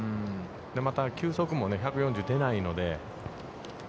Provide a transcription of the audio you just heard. また、球速も１４０キロ出ないので。